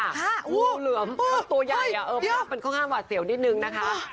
งูเหลือมตัวใหญ่ภาพมันค่อนข้างหวาดเสียวนิดนึงนะคะ